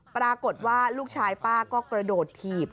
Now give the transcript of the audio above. ปรากฏว่าลูกชายป้าก็กระโดดถีบ